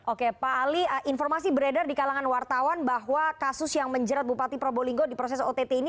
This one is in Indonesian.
oke pak ali informasi beredar di kalangan wartawan bahwa kasus yang menjerat bupati probolinggo di proses ott ini